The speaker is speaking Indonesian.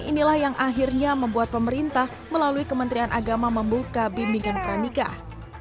inilah yang akhirnya membuat pemerintah melalui kementerian agama membuka bimbingan pernikah